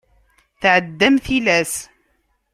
Tɛeddam tilas.